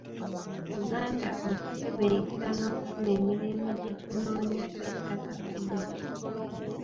Uganda okutebenkera n'okufuna emirembe gye tunoonya twetaaga Federo.